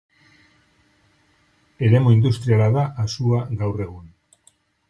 Eremu industriala da Asua gaur egun.